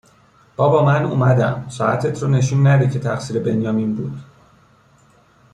بابا من اومدم. ساعتت رو نشون نده که تقصیر بنیامین بود!